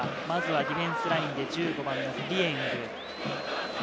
まずはディフェンスラインで１５番のディエング。